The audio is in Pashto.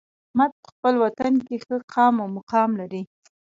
احمد په خپل وطن کې ښه قام او مقام لري.